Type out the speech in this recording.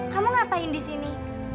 kamu ngapain di sini